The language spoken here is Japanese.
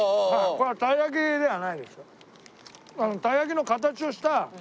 これは鯛焼きではないですよ。